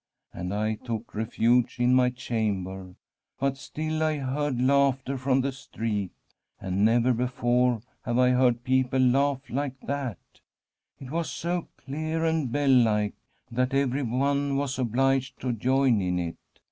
And I took refuge in my cham ber, but still I heard laughter from the street, and never before have I heard people laugh like that ; it. was so clear and bell like that everyone was obliged to join in it.